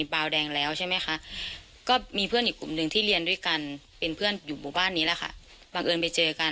ประมาณ๒๐นาทีเห็นน้องเขาบอกประมาณนี้